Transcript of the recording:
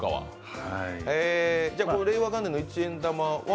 令和元年の一円玉は？